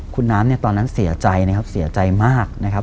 คุณน้ำเนี่ยตอนนั้นเสียใจนะครับเสียใจมากนะครับ